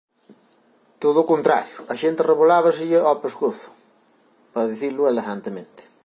Todo o contrario, a xente arrebolábaselle ó pescozo, para dicilo elegantemente.